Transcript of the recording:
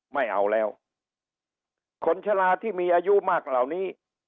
ไม่เอาแล้วคนชะลาที่มีอายุมากเหล่านี้